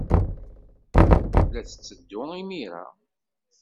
La tetteddu imir-a?